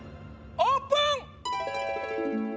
オープン！